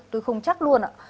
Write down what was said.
tôi không chắc luôn ạ